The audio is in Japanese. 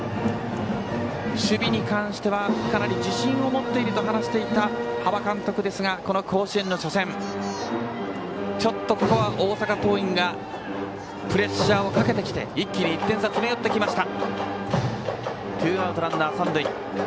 守備に関してはかなり自信を持っていると話していた端場監督ですがこの甲子園の初戦ちょっとここは大阪桐蔭がプレッシャーをかけてきて一気に１点差に詰め寄ってきました。